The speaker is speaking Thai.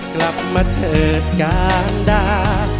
กลับมาเถิดการดา